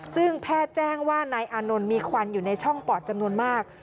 ซึ่งแพทย์แจ้งว่านายอานนท์มีควันอยู่ในช่องปอดจำนวนมาก